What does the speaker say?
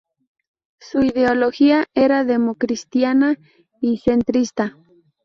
Su ideología era democristiana y centrista.